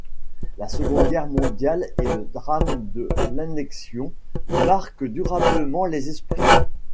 La Seconde Guerre mondiale et le drame de l'Annexion marquent durablement les esprits.